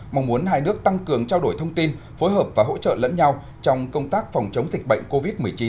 mong muốn hai nước tăng cường trao đổi thông tin phối hợp và hỗ trợ lẫn nhau trong công tác phòng chống dịch bệnh covid một mươi chín